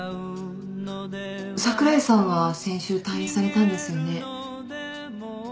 櫻井さんは先週退院されたんですよね？